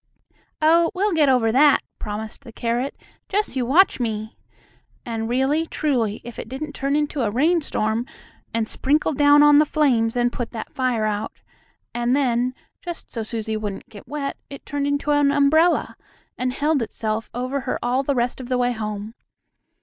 "Oh, we'll get over that," promised the carrot. "Just you watch me!" And really truly, if it didn't turn into a rainstorm, and sprinkle down on the flames, and put that fire out, and then, just so Susie wouldn't get wet it turned into an umbrella; and held itself over her all the rest of the way home.